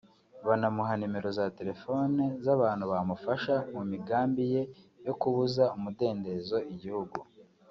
banamuha nimero za terefone z’abantu bamufasha mu migambi ye yo kubuza umudendezo igihugu